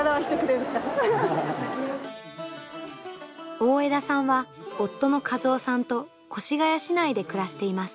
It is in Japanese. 大條さんは夫の一夫さんと越谷市内で暮らしています。